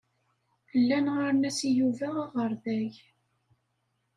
Llan ɣɣaren-as i Yuba aɣerday.